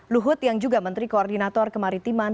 luhut yang juga menteri koordinator kemaritiman